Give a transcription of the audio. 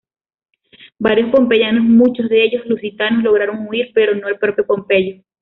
Varios pompeyanos, muchos de ellos lusitanos, lograron huir, pero no el propio Pompeyo.